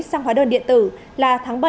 sang hóa đơn điện tử là tháng bảy